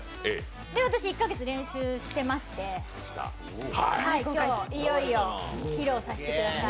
で、私１か月練習をしてまして今日、いよいよ披露させてください。